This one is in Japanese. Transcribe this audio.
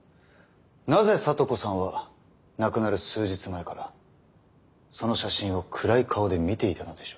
なぜ咲都子さんは亡くなる数日前からその写真を暗い顔で見ていたのでしょう？